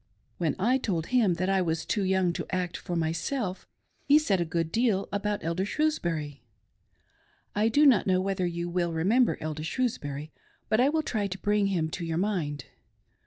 When I told him that I was too young to act for myself he said a good deal about Elder Shrewsbury. I do not know whether you will remember Elder Shrewsbury but I will try to bring him to your mind.